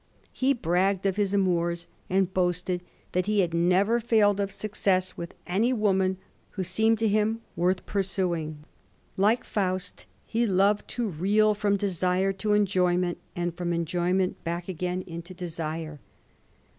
He bragged of his amours, and boasted that he had never jGuled of success with any woman who seemed to him worth pm^uing. Like Faust, he loved to reel from desire to enjoyment, and from enjoyment back again into desire.